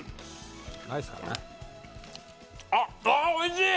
おいしい。